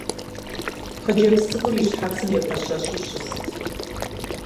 Хъыджэбз цӏыкӏур и щхьэцым епэщэщу щыст.